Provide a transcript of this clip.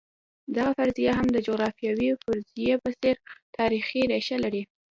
دغه فرضیه هم د جغرافیوي فرضیې په څېر تاریخي ریښه لري.